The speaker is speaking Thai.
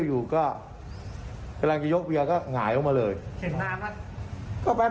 ห้องนี้เคยมีประวัติไหม